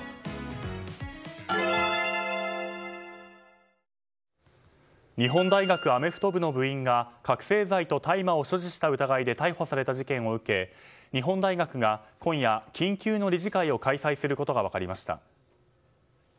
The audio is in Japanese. うまクリアアサヒイェーイ日本大学アメフト部の部員が覚醒剤と大麻を所持した疑いで逮捕された事件を受け日本大学が今夜、緊急の理事会を開催することが分かりました。